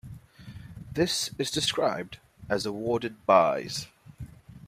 This is described as "awarded byes".